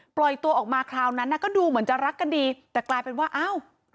ปล่อยตัวออกมาคราวนั้นน่ะก็ดูเหมือนจะรักกันดีแต่กลายเป็นว่าอ้าว